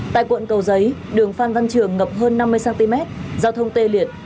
tại quận cầu giấy đường phan văn trường ngập hơn năm mươi cm giao thông tê liệt